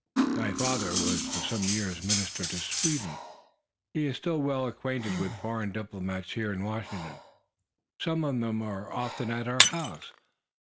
"My father was for some years minister to Sweden. He is still well acquainted among foreign diplomats here in Washington. Some of them are often at our house.